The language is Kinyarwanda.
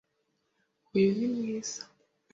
Uyu ni mwiza.